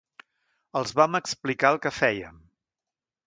Els vam explicar el que fèiem